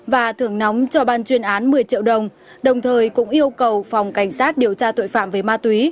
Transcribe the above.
và thưởng nóng cho ban chuyên án một mươi triệu đồng đồng thời cũng yêu cầu phòng cảnh sát điều tra tội phạm về ma túy